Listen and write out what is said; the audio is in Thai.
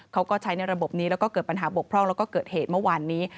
เขาก็ใช้ในระบบนี้แล้วก็เกิดปัญหาบกพร่องแล้วก็เกิดเหตุเมื่อวานนี้